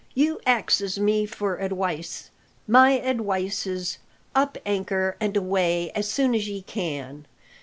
You axes me for adwice: my adwice is, up anchor and away as soon as ye can.